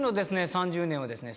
３０年はですね